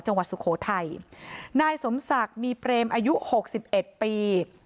จังหวัดสุโขทัยนายสมศักดิ์มีเบรมอายุ๖๑ปี